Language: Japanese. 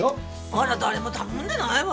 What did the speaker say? あら誰も頼んでないわよ。